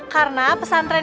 karena pesan terakhir